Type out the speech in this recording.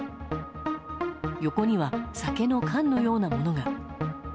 横には酒の缶のようなものが。